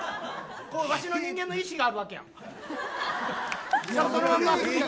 わしの人間の意思があるわけやん。